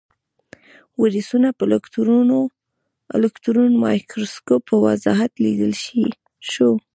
ویروسونه په الکترون مایکروسکوپ په وضاحت لیدلی شو.